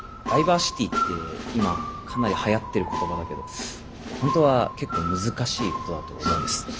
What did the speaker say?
ダイバーシティーって今かなりはやっている言葉だけど本当は結構難しいことだと思うんです。